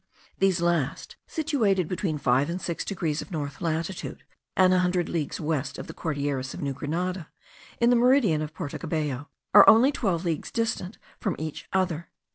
These last, situated between five and six degrees of north latitude, and a hundred leagues west of the Cordilleras of New Grenada, in the meridian of Porto Cabello, are only twelve leagues distant from each other.